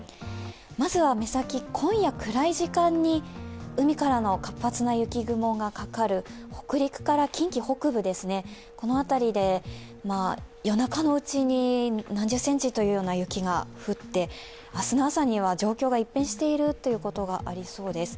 まずは目先、今夜暗い時間に海からの活発な雪雲がかかる北陸から近畿北部夜中のうちに何十センチという雪が降って明日の朝には状況が一変していることがありそうです。